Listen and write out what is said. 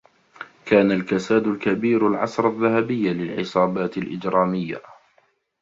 كان الكساد الكبير العصر الذّهبي للعصابات الإجراميّة.